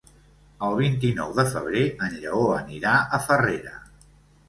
El vint-i-nou de febrer en Lleó anirà a Farrera.